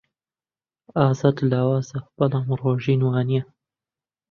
ئازاد لاوازە، بەڵام ڕۆژین وانییە.